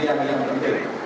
ini yang penting